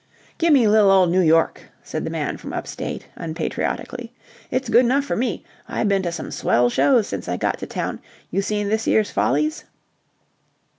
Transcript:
"Give me li'l old New York," said the man from up state, unpatriotically. "It's good enough for me. I been to some swell shows since I got to town. You seen this year's 'Follies'?"